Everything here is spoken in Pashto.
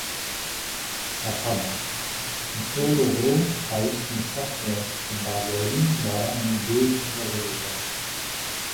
ټپه ده: د تورو غرو ښایست مې خوښ دی په بازاري یارانو ډېر اوغولېدمه